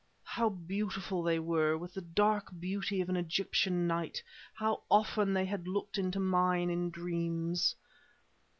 How beautiful they were, with the dark beauty of an Egyptian night; how often had they looked into mine in dreams!